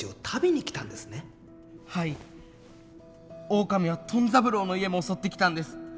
オオカミはトン三郎の家も襲ってきたんです。